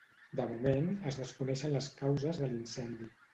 De moment, es desconeixen les causes de l’incendi.